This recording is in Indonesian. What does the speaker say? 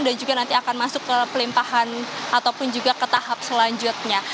dan juga nanti akan masuk ke dalam pelimpahan ataupun juga ke tahap selanjutnya